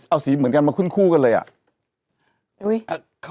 เอาสีเหมือนกันมาขึ้นคู่กันเลยอ่ะ